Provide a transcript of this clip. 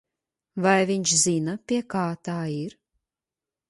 Vai viņš zina, pie kā tā ir?